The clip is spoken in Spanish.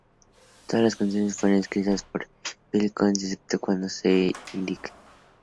Todas las canciones fueron escritas por Phil Collins, excepto cuando se indique.